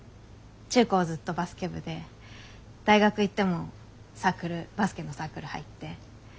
中高ずっとバスケ部で大学行ってもサークルバスケのサークル入って。